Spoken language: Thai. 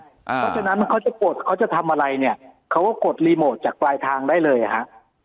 เพราะฉะนั้นเขาจะกดเขาจะทำอะไรเนี่ยเขาก็กดรีโมทจากปลายทางได้เลยอ่ะฮะ